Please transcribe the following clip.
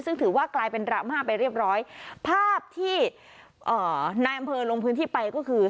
ซึ่งถือว่ากลายเป็นดราม่าไปเรียบร้อยภาพที่เอ่อนายอำเภอลงพื้นที่ไปก็คือ